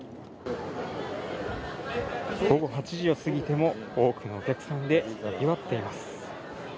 午後８時を過ぎても、多くのお客さんでにぎわっています。